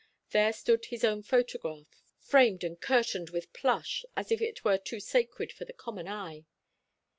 There stood his own photograph, framed and curtained with plush, as if it were too sacred for the common eye.